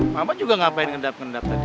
mama juga ngapain ngendap kendap tadi